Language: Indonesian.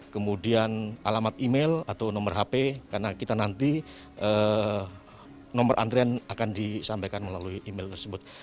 kemudian alamat email atau nomor hp karena kita nanti nomor antrian akan disampaikan melalui email tersebut